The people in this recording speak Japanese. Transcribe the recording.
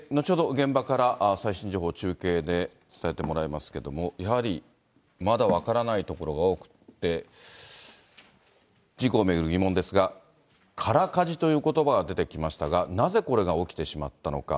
現場から最新情報を中継で伝えてもらいますけれども、やはりまだ分からないところが多くて、事故を巡る疑問ですが、空かじということばが出てきましたが、なぜこれが起きてしまったのか。